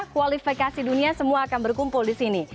kualifikasi dunia semua akan berkumpul di sini